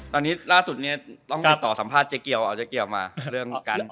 ตอนนี้ล่าสุดเนี่ยต้องติดต่อสัมภาษณ์เจ๊เกียวเอาเจ๊เกียวมาเรื่องการ